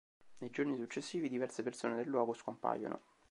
Nei giorni successivi, diverse persone del luogo scompaiono.